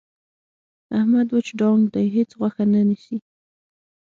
احمد وچ ډانګ دی. هېڅ غوښه نه نیسي.